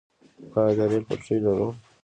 آیا د ریل پټلۍ لرو؟